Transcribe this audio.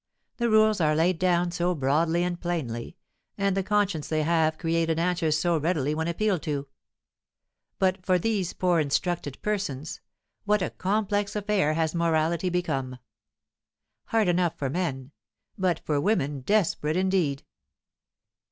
The rules are laid down so broadly and plainly, and the conscience they have created answers so readily when appealed to. But for these poor instructed persons, what a complex affair has morality become! Hard enough for men, but for women desperate indeed.